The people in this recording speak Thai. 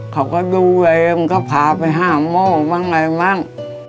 เขาก็ดูเลยมันก็พาไปห้ามโม่บ้างไงมั้ง